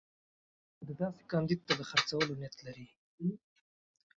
ده داسې کاندید ته د خرڅولو نیت لري.